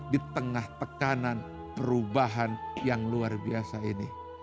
di tengah tekanan perubahan yang luar biasa ini